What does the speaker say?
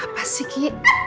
apa sih ki